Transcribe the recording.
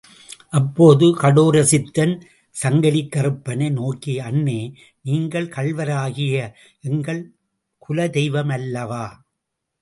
அப்போது கடோர சித்தன் சங்கிலிக்கறுப்பனை நோக்கி, அண்ணே நீங்கள் கள்வராகிய எங்கள் குலதெய்வமல்லவா?